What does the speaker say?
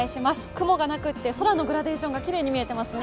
雲がなくて空のグラデーションがきれいに見えていますね。